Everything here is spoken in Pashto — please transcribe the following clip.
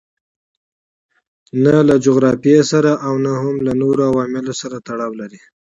نه له جغرافیې سره او نه هم له نورو عواملو سره تړاو لري.